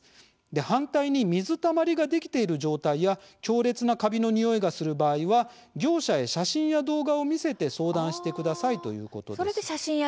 反対に水たまりができている状態や強烈なカビのにおいがする場合は業者へ写真や動画を見せて相談してくださいということでした。